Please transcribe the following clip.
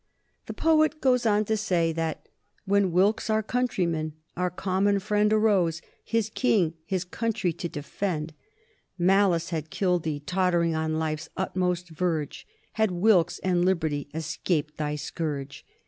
The poet goes on to say that "when Wilkes our countryman, our common friend arose, his King, his country to defend," Malice Had killed thee, tottering on life's utmost verge, Had Wilkes and Liberty escaped thy scourge.